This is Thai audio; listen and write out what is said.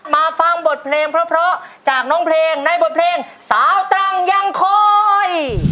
มาฟังบทเพลงเพราะจากน้องเพลงในบทเพลงสาวตรังยังคอย